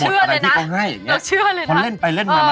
ตอนแรกนะฮะก็คือไปเล่นใหม่